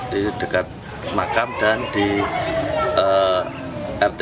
di dekat makam dan di rt